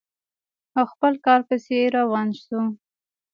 او خپل کار پسې روان شو.